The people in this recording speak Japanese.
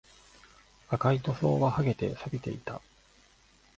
赤い塗装は剥げて、錆びていた